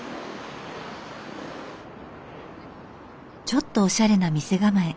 ちょっとおしゃれな店構え。